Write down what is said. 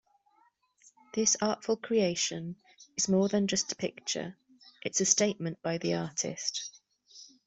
This artful creation is more than just a picture, it's a statement by the artist.